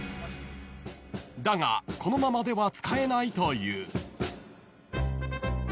［だがこのままでは使えないという］